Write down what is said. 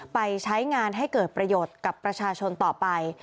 ไปใช้งานให้เกิดประโยชน์กับประชาชนต่อไป